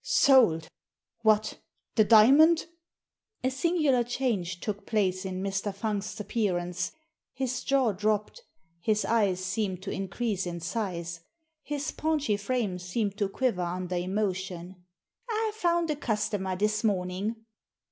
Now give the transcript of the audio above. "Sold? What! The diamond?" A singular change took place in Mr. Fungst's appearance. His jaw dropped. His eyes seemed to increase in size. His paunchy frame seemed to quiver under emotion." " I found a customer this morning."